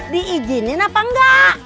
diijinin apa enggak